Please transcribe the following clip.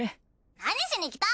何しに来た！